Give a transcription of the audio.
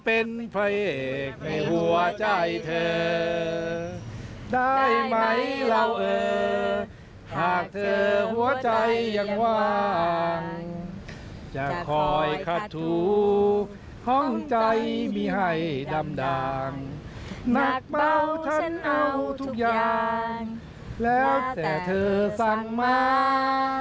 เอาทุกอย่างแล้วแต่เธอสั่งมา